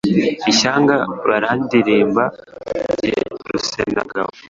Ishyanga barandirimba Jye Rusenamugabo